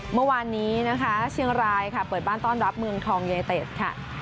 เมื่อวานนี้นะคะเชียงรายค่ะเปิดบ้านต้อนรับเมืองทองเยเต็ดค่ะ